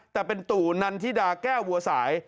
แต่เป็นตู่นันทิดาแก้ววัวสาย